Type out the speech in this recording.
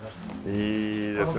いいですよねえ。